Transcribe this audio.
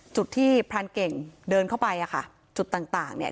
จุดที่พรานเก่งเดินเข้าไปอ่ะค่ะจุดต่างต่างเนี่ย